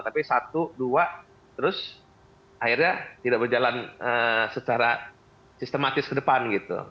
tapi satu dua terus akhirnya tidak berjalan secara sistematis ke depan gitu